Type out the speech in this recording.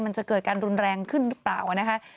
มันจะเกิดการรุนแรงขึ้นหรือเปล่านะคะ